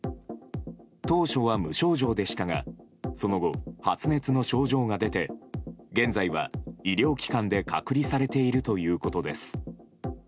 当初は無症状でしたがその後、発熱の症状が出て現在は医療機関で隔離されているということです。